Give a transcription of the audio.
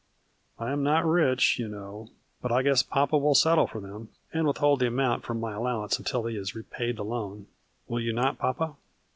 I am not rich, you know, but I guess papa will settle for them and withhold the amount from my allowance until he is repaid the loan, will you not papa